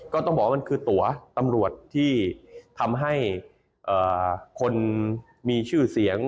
ก็ต้องบอกว่ามันคือตัวตำรวจที่ทำให้คนมีชื่อเสียง